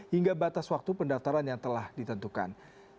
hingga batas waktu pendaftaran yang telah ditentukan